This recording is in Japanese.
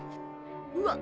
うわっ！